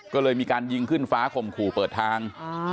ก็เลยมีการยิงขึ้นฟ้าข่มขู่เปิดทาง